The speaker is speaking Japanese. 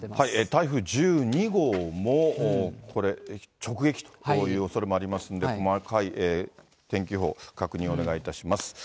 台風１２号もこれ、直撃というおそれもありますんで、細かい天気予報、確認お願いいたします。